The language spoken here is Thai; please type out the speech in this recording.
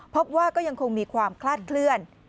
พบว่าก็ยังคงมีความคลาดเคลื่อน